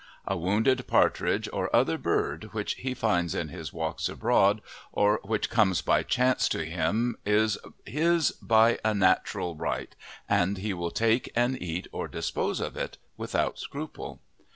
A wounded partridge or other bird which he finds in his walks abroad or which comes by chance to him is his by a natural right, and he will take and eat or dispose of it without scruple.